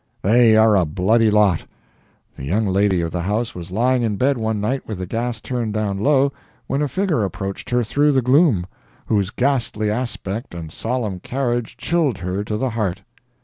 They are a bloody lot. The young lady of the house was lying in bed one night with the gas turned down low, when a figure approached her through the gloom, whose ghastly aspect and solemn carriage chilled her to the heart.